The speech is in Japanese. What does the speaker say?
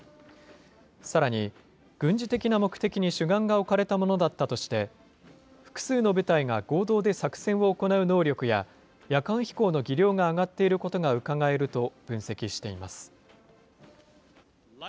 さらに、軍事的な目的に主眼が置かれたものだったとして、複数の部隊が合同で作戦を行う能力や、夜間飛行の技量が上がっていることがうかがえると分析しています。